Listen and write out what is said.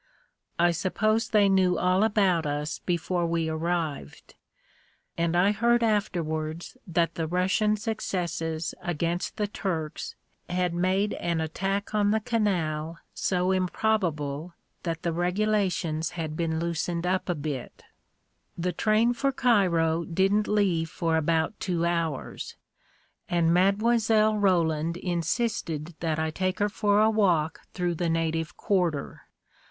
I suppose they knew all about us before we arrived. And I heard afterwards that the Russian successes against the Turks had made an attack on the canal so improba ble that the regulations had been loosened up a bit A KING IN BABYLON 87 The train for Cairo didn't leave for about two hours, and Mile. Roland insisted that I take her for a walk through the native quarter.